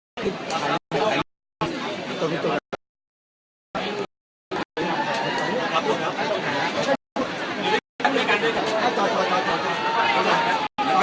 เดออขอรบออกแนวหน่อยขอบคุณครับ